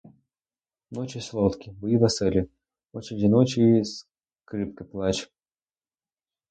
Ночі солодкі, бої веселі, очі жіночі й скрипки плач.